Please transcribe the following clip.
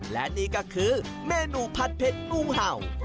และนี่ก็คือเมนูผัดเผ็ดงูเห่า